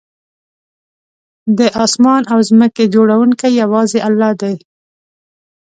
د آسمان او ځمکې جوړونکی یوازې الله دی